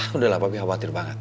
udah lah papi khawatir banget